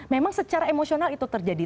memang secara emosional itu terjadi